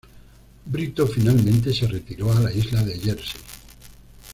Brito finalmente se retiró a la isla de Jersey.